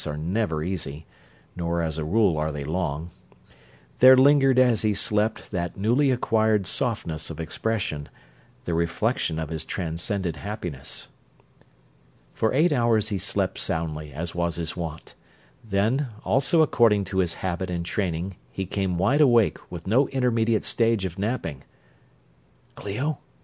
are never easy, nor as a rule are they long there lingered as he slept that newly acquired softness of expression, the reflection of his transcendent happiness. For eight hours he slept soundly, as was his wont; then, also according to his habit and training, he came wide awake, with no intermediate stage of napping. "Clio?"